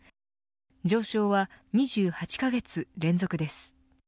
上昇は２８カ月連続です。